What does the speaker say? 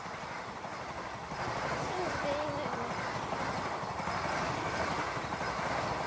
信じていいんだよね？